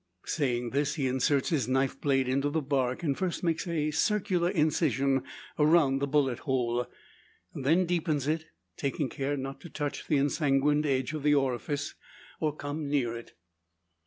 Saying this, he inserts his knife blade into the bark, and first makes a circular incision around the bullet hole. Then deepens it, taking care not to touch the ensanguined edge of the orifice, or come near it.